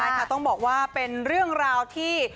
ใช่ค่ะต้องบอกว่าเป็นเรื่องราวที่